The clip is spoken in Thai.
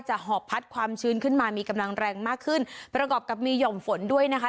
หอบพัดความชื้นขึ้นมามีกำลังแรงมากขึ้นประกอบกับมีห่อมฝนด้วยนะคะ